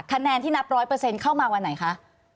คะแนนที่นับ๑๐๐เข้ามาวันไหนคะ